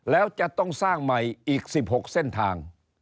แล้วจะต้องสร้างใหม่อีก๑๖เส้นทาง